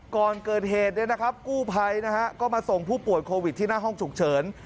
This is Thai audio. ก่อนเกิดเหตุเนี่ยนะครับกูภัยนะฮะก็มาส่งผู้ปวดโควิดที่หน้าห้องฉุกเฉิน